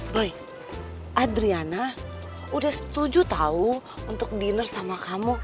boy adriana udah setuju tau untuk diner sama kamu